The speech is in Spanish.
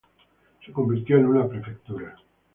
Se convirtió en una prefectura.